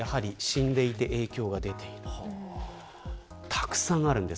たくさんあるんです。